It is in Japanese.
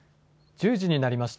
１０時になりました。